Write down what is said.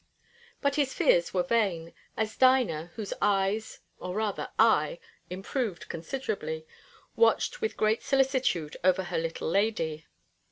But his fears were vain, as Dinah, whose eyes, or rather, eye, improved considerably, watched with great solicitude over her little lady.